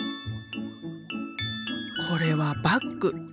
これはバッグ。